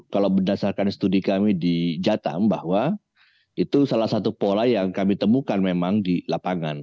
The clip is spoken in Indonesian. kalau berdasarkan studi kami di jatam bahwa itu salah satu pola yang kami temukan memang di lapangan